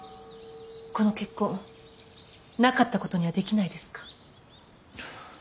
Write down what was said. この結婚なかったことにはできないですか。